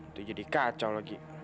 itu jadi kacau lagi